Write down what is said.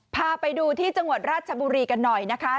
พาไปดูที่จังหวัดราชบุรีกันหน่อยนะคะ